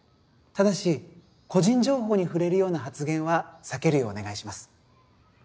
ただし個人情報に触れるような発言は避けるようお願いします。